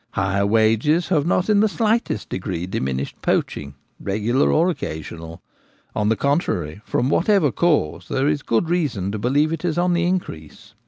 Higher wages have not in the slightest degree dimin ished poaching, regular or occasional ; on the con trary, from whatever cause, there is good reason to believe it on the increase.